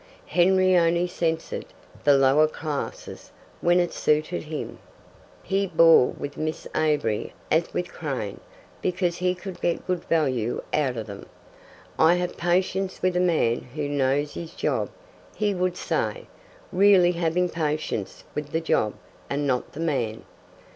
Henry only censured the lower classes when it suited him. He bore with Miss Avery as with Crane because he could get good value out of them. "I have patience with a man who knows his job," he would say, really having patience with the job, and not the man.